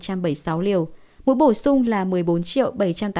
mũi bổ sung là một mươi bốn bảy trăm tám mươi chín hai trăm một mươi bảy liều